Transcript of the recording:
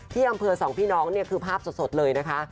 ที่อำเภอสองพี่น้องเนี่ยคือภาพสดเลยนะคะ